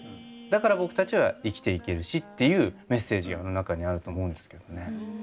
だから僕たちは生きていけるしっていうメッセージがあの中にあると思うんですけどね。